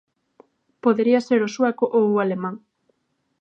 Podería ser o sueco ou o Alemán.